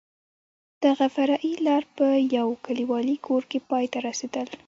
دغه فرعي لار په یو کلیوالي کور کې پای ته رسېدل.